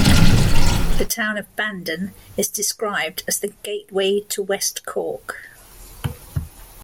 The town of Bandon is described as the "Gateway to West Cork".